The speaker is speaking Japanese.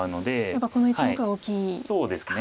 やっぱりこの１目は大きいですか。